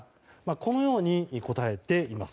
このように答えています。